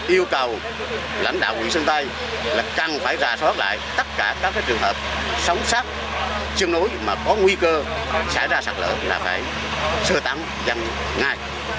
yêu cầu lãnh đạo quỹ sân tay là cần phải rà soát lại tất cả các trường hợp sống sát chương nối mà có nguy cơ xảy ra sạc lợi là phải sơ tán dân ngay